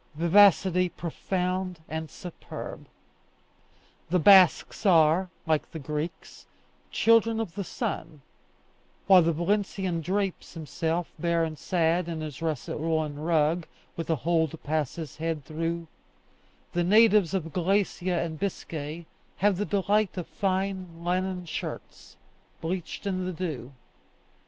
Vivacity profound and superb! The Basques are, like the Greeks, children of the sun; while the Valencian drapes himself, bare and sad, in his russet woollen rug, with a hole to pass his head through, the natives of Galicia and Biscay have the delight of fine linen shirts, bleached in the dew.